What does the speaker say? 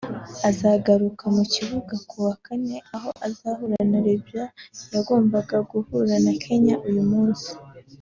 azagaruka mu kibuga ku wa kane aho azahura na Libya yagombaga guhura na Kenya uyu munsi